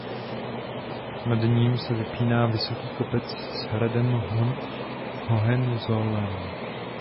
Nad ním se vypíná vysoký kopec s hradem Hohenzollern.